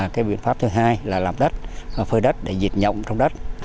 cái biện pháp thứ hai là làm đất phơi đất để diệt nhộng trong đất